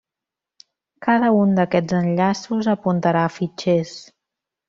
Cada un d'aquests enllaços apuntarà a fitxers.